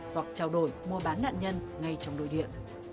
hoặc trao đổi mua bán nạn nhân ngay trong đồi điện